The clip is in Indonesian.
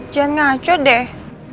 jangan ngaco deh